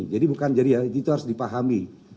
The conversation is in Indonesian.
jadi itu harus dipahami